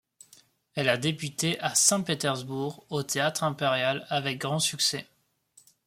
Elle a débuté à Saint-Pétersbourg au Théâtre impérial avec grand succès.